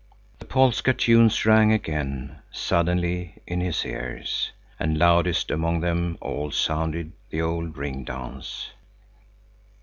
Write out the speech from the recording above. The polska tunes rang again suddenly in his ears, and loudest among them all sounded the old ring dance.